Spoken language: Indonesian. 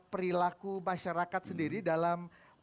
perilaku masyarakat sendiri dalam